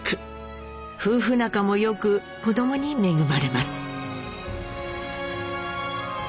夫婦仲も良く子どもに恵まれます。